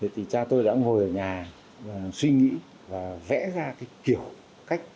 thì cha tôi đã ngồi ở nhà suy nghĩ và vẽ ra cái kiểu cách